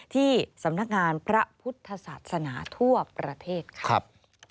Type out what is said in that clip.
ที่สำนักงานพระพุทธศาสนาทั่วประเทศครับ